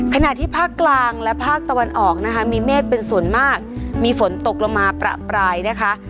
ขณะที่ภาคกลางและภาคตะวันออกนะคะมีเมฆเป็นส่วนมากมีฝนตกลงมาประปรายนะคะ